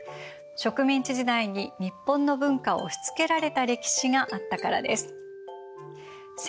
植民地時代に日本の文化を押しつけられた歴史があったからです。